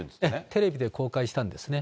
テレビで公開したんですね。